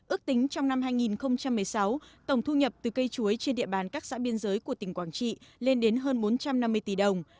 ước tính trong năm hai nghìn một mươi sáu tổng thu nhập từ cây chuối trên địa bàn các xã biên giới của tỉnh quảng trị lên đến hơn bốn trăm năm mươi tỷ đồng